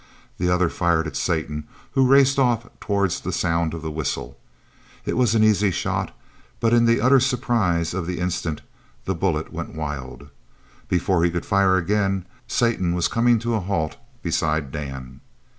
The other fired at Satan, who raced off towards the sound of the whistle. It was an easy shot, but in the utter surprise of the instant the bullet went wide. Before he could fire again Satan was coming to a halt beside Dan.